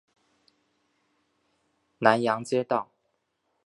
南阳街道